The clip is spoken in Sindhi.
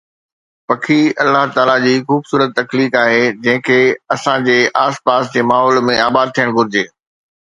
پکي الله تعاليٰ جي خوبصورت تخليق آهي، جنهن کي اسان جي آس پاس جي ماحول ۾ آباد ٿيڻ گهرجي